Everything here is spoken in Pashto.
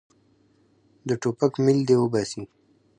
د ټوپک میل دې وباسي.